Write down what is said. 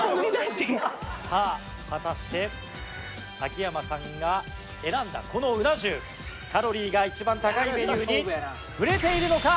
さあ果たして秋山さんが選んだこのうな重カロリーが一番高いメニューにふれているのか？